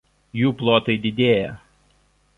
Jų plotai didėja.